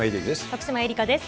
徳島えりかです。